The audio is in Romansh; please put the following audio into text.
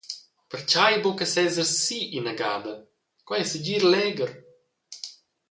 Pertgei buca seser si ina gada, quei ei segir legher.